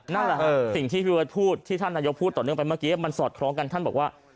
นั่นแหละฮะสิ่งที่พี่เบิร์ตพูดที่ท่านนายกพูดต่อเนื่องไปเมื่อกี้มันสอดคล้องกันท่านบอกว่า